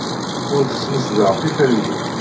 Ur smesdeɣ tiferyin.